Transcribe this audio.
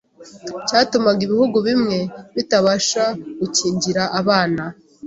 cyatumaga ibihugu bimwe bitabasha gukingira abana